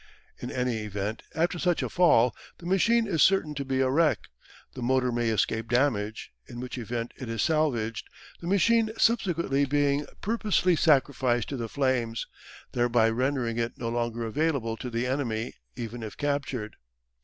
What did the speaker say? In any event, after such a fall the machine is certain to be a wreck. The motor may escape damage, in which event it is salvaged, the machine subsequently being purposely sacrificed to the flames, thereby rendering it no longer available to the enemy even if captured.